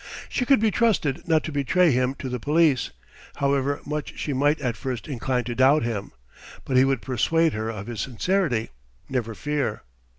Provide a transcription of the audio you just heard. She could be trusted not to betray him to the police, however much she might at first incline to doubt him. But he would persuade her of his sincerity, never fear!